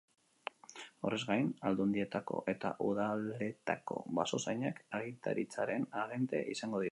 Horrez gain, aldundietako eta udaletako basozainak agintaritzaren agente izango dira.